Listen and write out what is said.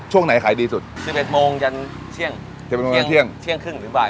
ช่วงไหนขายดีสุด๑๑โมงจำเที่ยงเที่ยงเที่ยงครึ่งหรือบ่าย